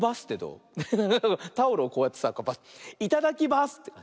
タオルをこうやってさ「いただきバス」ってかんじ。